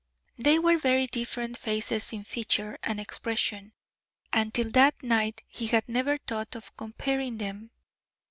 They were very different faces in feature and expression, and till that night he had never thought of comparing them.